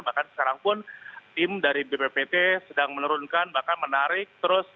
bahkan sekarang pun tim dari bppt sedang menurunkan bahkan menarik terus